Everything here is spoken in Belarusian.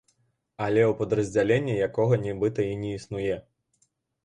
Але ў падраздзяленні, якога нібыта і не існуе.